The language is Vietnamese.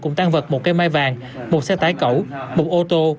cùng tan vật một cây mai vàng một xe tải cẩu một ô tô